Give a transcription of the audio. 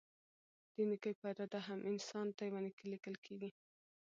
د نيکي په اراده هم؛ انسان ته يوه نيکي ليکل کيږي